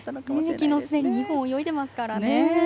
昨日すでに２本泳いでいますからね。